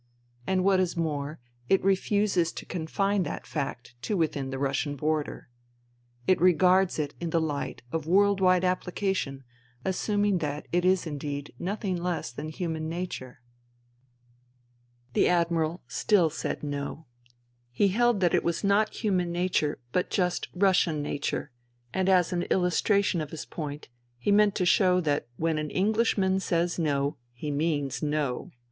And what is more, it refuses to confine that fact to within the Russian border. It regards it in the hght of world wide application, assuming that it is indeed nothing less than human nature. The Admiral still said No. He held that it was not human nature but just Russian nature, and as an illustration of his point he meant to show that when an Englishman says No he does mean No.